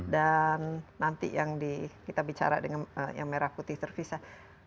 dan nanti yang kita bicara dengan yang merah putih terpisah